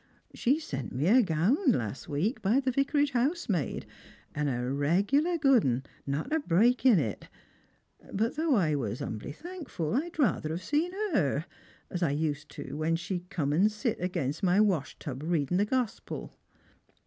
She sent me a gownd last week by the vicarage housemaid, and a regular food one, not a brack in it ; but though I was humbly thankful, 'd rather have seen her, as I used when she'd come and sit agen my wash tub reading the Gosjoel."